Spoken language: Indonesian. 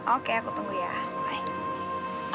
oke aku tunggu ya baik